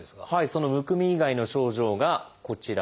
そのむくみ以外の症状がこちらです。